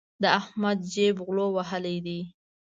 د احمد جېب غلو وهلی دی.